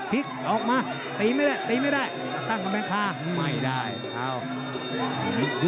ตีออกมาตีไม่ได้ตั้งคำแบงค์ค่ะ